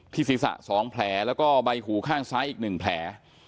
ศีรษะ๒แผลแล้วก็ใบหูข้างซ้ายอีก๑แผล